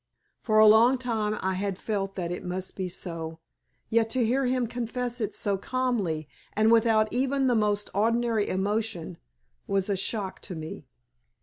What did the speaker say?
For a long time I had felt that it must be so. Yet to hear him confess it so calmly, and without even the most ordinary emotion, was a shock to me.